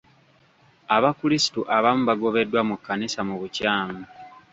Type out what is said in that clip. Abakrisitu abamu bagobeddwa mu kkanisa mu bukyamu.